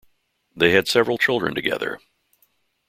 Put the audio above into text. They had several children together.